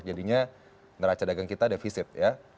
jadinya neraca dagang kita defisit ya